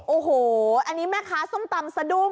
โอ้โหอันนี้แม่ค้าส้มตำสะดุ้ง